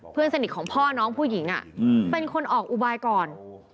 เพื่อนสนิทของพ่อน้องผู้หญิงเป็นคนออกอุบายก่อน